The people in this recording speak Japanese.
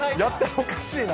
おかしいな。